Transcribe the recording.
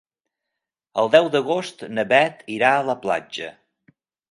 El deu d'agost na Bet irà a la platja.